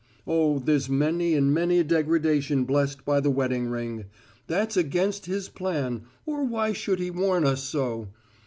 Oh, there's many and many a degradation blessed by the wedding ring. That's against His plan, or why should He warn us so!